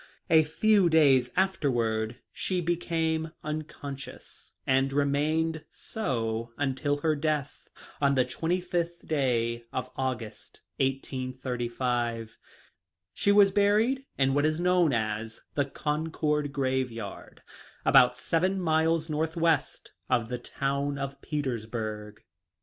A few days afterward she became un conscious and remained so until. her death on the 25th day of August, 1835. She was buried in what is known as the Concord grave yard, about seven miles north west of the town of Petersburg.